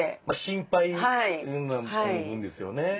まあ心配の分ですよね。